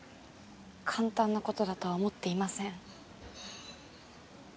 簡単なことだとは思っていません。